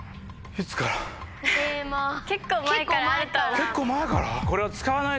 結構前から？